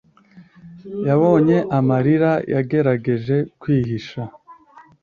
Yabonye amarira yagerageje kwihisha